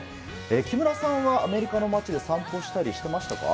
木村さんはアメリカの町で散歩したりしていましたか。